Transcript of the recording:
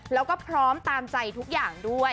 แล้วก็พร้อมตามใจทุกอย่างด้วย